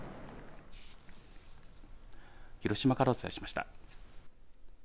広島からお伝えしました。